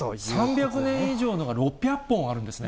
３００年以上のが６００本あるんですね？